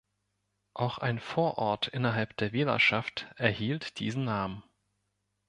Auch ein Vorort innerhalb der Wählerschaft erhielt diesen Namen.